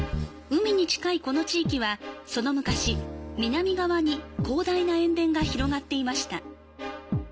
海に近いこの地域は、その昔、南側に広大な塩田が広がっていました。